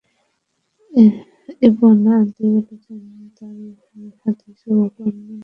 Ibn Adi বলেছেন, তাঁর হাদীসগুলো মুনকার।